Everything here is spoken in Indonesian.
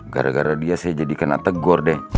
gara gara dia saya jadikan ategor deh